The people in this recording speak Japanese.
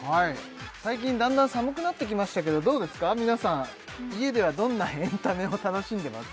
最近だんだん寒くなってきましたけどどうですか皆さん家ではどんなエンタメを楽しんでます？